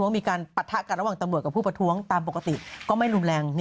มีการปะทะกันระหว่างตำรวจกับผู้ประท้วงตามปกติก็ไม่รุนแรง